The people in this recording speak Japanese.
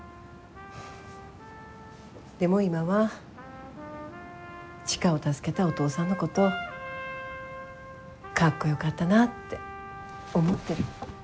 でも今は知花を助けたお父さんのことかっこよかったなって思ってる。